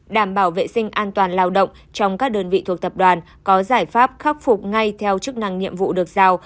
đảm bảo vệ sinh an toàn lao động trong các đơn vị thuộc tập đoàn có giải pháp khắc phục ngay theo chức năng nhiệm vụ được giao